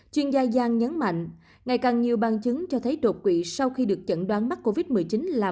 chuyên gia yang nhấn mạnh ngày càng nhiều bằng chứng cho thấy đột quỷ sau khi được chẩn đoán mắc covid một mươi chín là một biến chứng